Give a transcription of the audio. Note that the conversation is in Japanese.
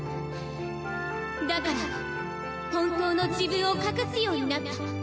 だから本当の自分を隠すようになった。